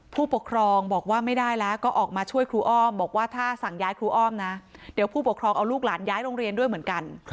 ผู้ปกครองบอกว่าไม่ได้แล้วก็ออกมาช่วยครูอ้อมบอกว่าถ้าสั่งย้ายครูอ้อมนะเดี๋ยวผู้ปกครองเอาลูกหลานย้ายโรงเรียนด้วยเหมือนกัน